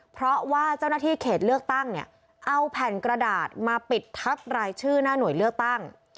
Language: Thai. เพราะว่าเจ้าหน้าที่เขตเลือกตั้งเนี่ยเอาแผ่นกระดาษมาปิดทับรายชื่อหน้าหน่วยเลือกตั้ง